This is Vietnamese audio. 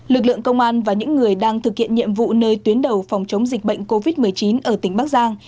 lực lượng công an và những người đang thực hiện nhiệm vụ nơi tuyến đầu phòng chống dịch bệnh covid một mươi chín ở tỉnh bắc giang